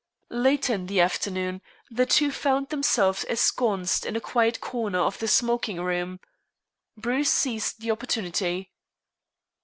Later in the afternoon, the two found themselves ensconced in a quiet corner of the smoking room. Bruce seized the opportunity.